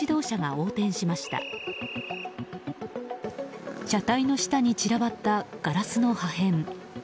車体の下に散らばったガラスの破片。